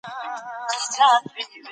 د سهار اوښان په لمر بار وو.